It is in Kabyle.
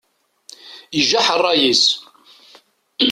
Ijaḥ ṛṛay-is.